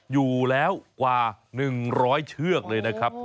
อยู่แล้วกว่า๑๐๐เชือกเลยนะครับ